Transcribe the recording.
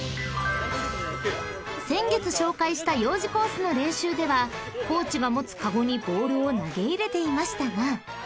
［先月紹介した幼児コースの練習ではコーチが持つかごにボールを投げ入れていましたが］